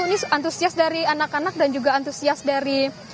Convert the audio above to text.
ini antusias dari anak anak dan juga antusias dari